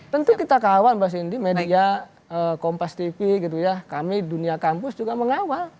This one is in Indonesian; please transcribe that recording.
tentu kita kawan mbak cindy media kompas tv kami dunia kampus juga mengawal